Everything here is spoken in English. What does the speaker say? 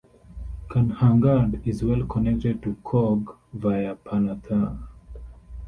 Kanhangad is well connected to Coorg via Panathur.